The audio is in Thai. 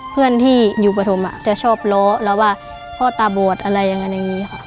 เพื่อนที่อยู่ปฐมจะชอบล้อแล้วว่าพ่อตาบวชอะไรอย่างนั้นอย่างนี้ค่ะ